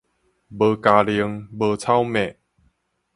無鵁鴒無草蜢